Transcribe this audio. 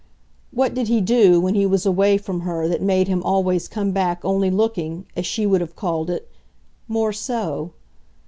What did he do when he was away from her that made him always come back only looking, as she would have called it, "more so?"